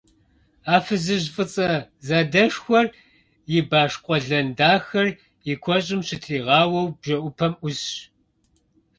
А фызыжь фӏыцӏэ задэшхуэр и баш къуэлэн дахэр и куэщӏым щытригъауэу бжэӏупэм ӏусщ.